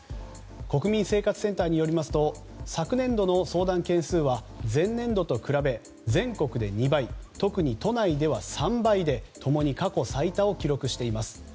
国民生活センターによりますと昨年度の相談件数は前年度と比べ全国で２倍特に都内では３倍で共に過去最多を記録しています。